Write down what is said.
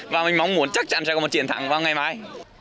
và mình mong muốn chắc chắn sẽ có một triển thẳng vào ngày mai